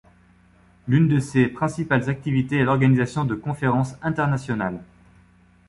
L'une de ses principales activités est l'organisation de conférences internationales.